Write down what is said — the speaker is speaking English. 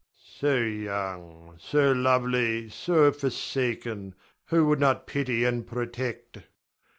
So young, so lovely, so forsaken, who would not pity and protect.